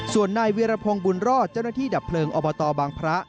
ส่วนนายเวียรพงศ์บุญรอดเจ้าหน้าที่ดับเพลิงอบตบางพระ